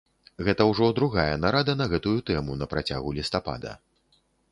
Гэта ўжо другая нарада на гэтую тэму на працягу лістапада.